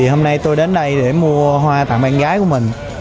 hôm nay tôi đến đây để mua hoa tặng bạn gái của mình